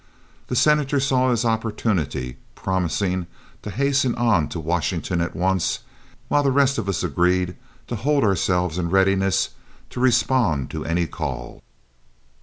The Senator saw his opportunity, promising to hasten on to Washington at once, while the rest of us agreed to hold ourselves in readiness to respond to any call.